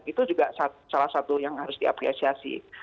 itu juga salah satu yang harus diapresiasi